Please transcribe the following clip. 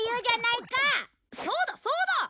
そうだそうだ！